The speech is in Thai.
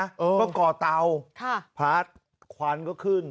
ก็ก่อเตาพัดควันก็ขึ้น